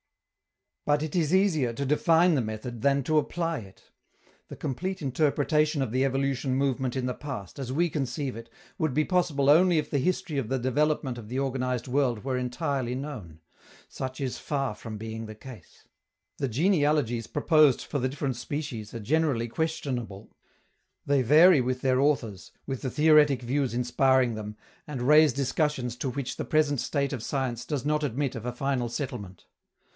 But it is easier to define the method than to apply it. The complete interpretation of the evolution movement in the past, as we conceive it, would be possible only if the history of the development of the organized world were entirely known. Such is far from being the case. The genealogies proposed for the different species are generally questionable. They vary with their authors, with the theoretic views inspiring them, and raise discussions to which the present state of science does not admit of a final settlement.